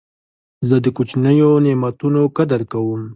زه د کوچنیو نعمتو قدر کوم.